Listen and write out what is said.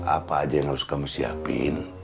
apa aja yang harus kamu siapin